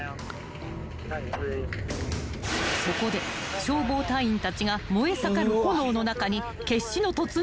［そこで消防隊員たちが燃え盛る炎の中に決死の突入］